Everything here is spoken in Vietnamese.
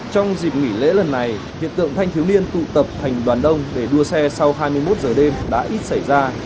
trong dịp nghỉ lễ lần này hiện tượng thanh thiếu niên tụ tập thành đoàn đông để đua xe sau hai mươi một giờ đêm đã ít xảy ra